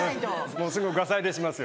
もうすぐガサ入れしますよ。